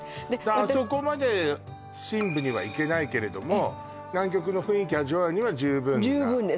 あそこまで深部には行けないけれども南極の雰囲気味わうには十分な十分です